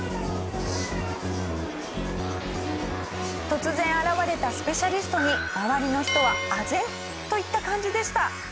突然現れたスペシャリストに周りの人は唖然といった感じでした。